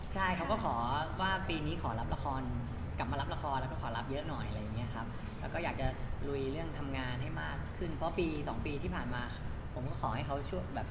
ใช่เขาก็ขอว่าปีนี้ขอรับละครกลับมารับละครแล้วก็ขอรับเยอะหน่อยอะไรอย่างนี้ครับ